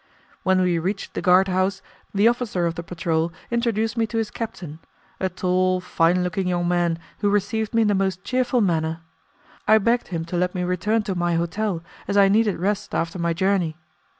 When we reached the guardhouse, the officer of the patrol introduced me to his captain, a tall, fine looking young man who received me in the most cheerful manner. I begged him to let me return to my hotel as I needed rest after my journey.